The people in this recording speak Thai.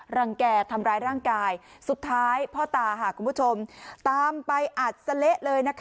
รังแก่ทำร้ายร่างกายสุดท้ายพ่อตาค่ะคุณผู้ชมตามไปอัดสะเละเลยนะคะ